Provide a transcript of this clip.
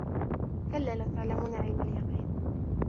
كَلّا لَو تَعلَمونَ عِلمَ اليَقينِ